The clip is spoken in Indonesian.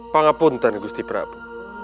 pangampunten gusti prabu